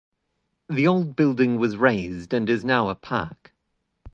The old building was razed and is now a park.